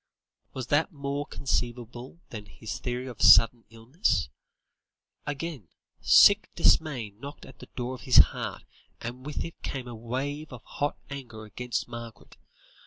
Was that more conceivable than his theory of sudden illness? Again, sick dismay knocked at the door of his heart, and with it came a wave of hot anger against Margaret.